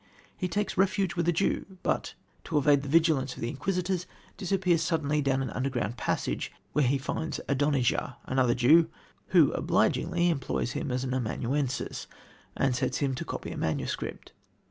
He takes refuge with a Jew, but, to evade the vigilance of the Inquisitors, disappears suddenly down an underground passage, where he finds Adonijah, another Jew, who obligingly employs him as an amanuensis, and sets him to copy a manuscript.